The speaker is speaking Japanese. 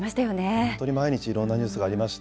本当に毎日いろんなニュースがありました。